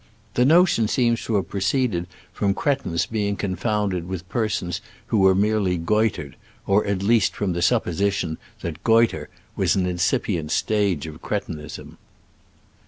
The notion seems to have proceeded from cretins being confounded with persons who were merely goitred, or at least from the supposition that goitre was an incipi •' ent stage of cretinism.